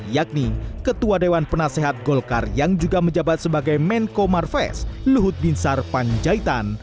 yakni ketua dewan penasehat golkar yang juga menjabat sebagai menko marves luhut binsar panjaitan